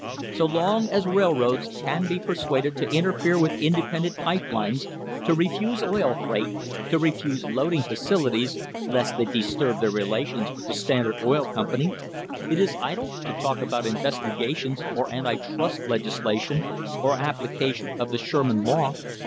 So long as railroads can be persuaded to interfere with independent pipe lines, to refuse oil freight, to refuse loading facilities, lest they disturb their relations with the Standard Oil Company, it is idle to talk about investigations or anti trust legislation or application of the Sherman law.